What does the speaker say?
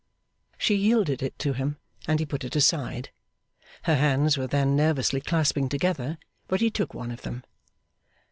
She yielded it to him, and he put it aside. Her hands were then nervously clasping together, but he took one of them.